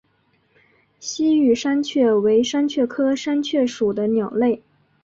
西域山雀为山雀科山雀属的鸟类。